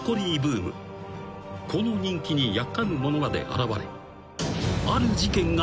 ［この人気にやっかむ者まで現れ］